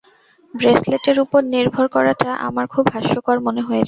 ব্রেসলেটের উপর নির্ভর করাটা, আমার খুব হাস্যকর মনে হয়েছিল।